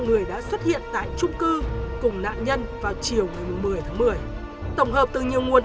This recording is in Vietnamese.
người đã xuất hiện tại trung cư cùng nạn nhân vào chiều ngày một mươi tháng một mươi tổng hợp từ nhiều nguồn